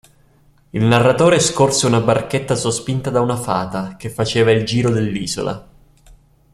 Il narratore scorse una barchetta sospinta da una fata, che faceva il giro dell'isola.